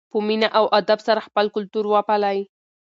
په مینه او ادب سره خپل کلتور وپالئ.